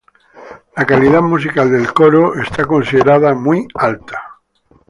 La calidad musical del coro es considerada muy alta.